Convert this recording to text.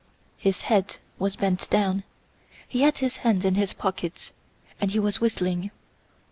His head was bent down, he had his hands in his pockets, and he was whistling.